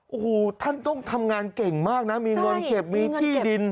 โอ้โหท่านต้องทำงานเก่งมากนะมีเงินเก็บมีที่ดิน